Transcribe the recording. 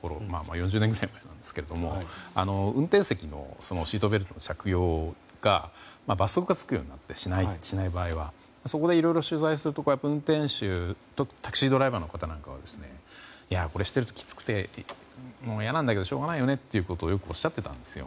４０年くらい前なんですが運転席のシートベルトの着用にしない場合罰則がつくようになってそこで、いろいろ取材するとタクシードライバーの方なんかはこれ、してるときつくて嫌なんだけどしょうがないよねってことをよくおっしゃってたんですよ。